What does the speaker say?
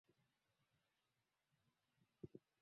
Sauti yangu imepotea